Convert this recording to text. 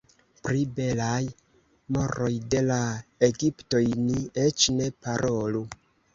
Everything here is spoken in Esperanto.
Pri belaj moroj de la egiptoj ni eĉ ne parolu.